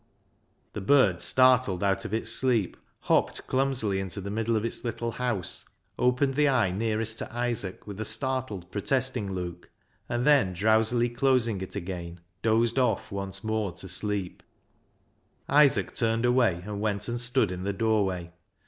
The bird, startled out of its sleep, hopped clumsily into the middle of its little house, opened the eye nearest to Isaac with a startled protesting look, and then drowsily closing it again, dozed off once more to sleep. ISAAC'S FIDDLE 283 Isaac turned away and went and stood in the doorway.